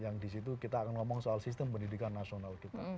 yang disitu kita akan ngomong soal sistem pendidikan nasional kita